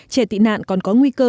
trẻ tị nạn còn có nguy cơ